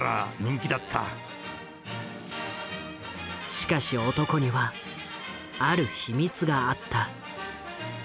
しかし男にはある秘密があった。